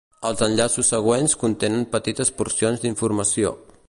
Els enllaços següents contenen petites porcions d'informació.